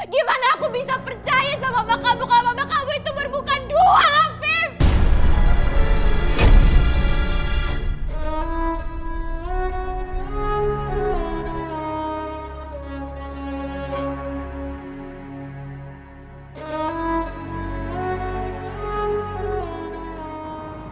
gimana aku bisa percaya sama mama kamu kalau mama kamu itu berbuka dua afif